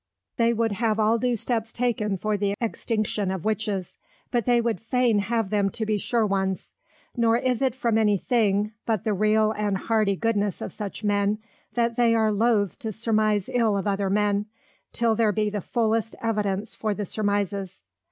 They would have all due steps taken for the Extinction of Witches; but they would fain have them to be sure ones; nor is it from any thing, but the real and hearty goodness of such Men, that they are loth to surmise ill of other Men, till there be the fullest Evidence for the surmises.